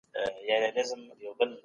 دولت به په کلتوري برخو کي مصرف وکړي.